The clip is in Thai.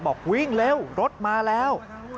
บอกวิ่งเร็วรถมาแล้ว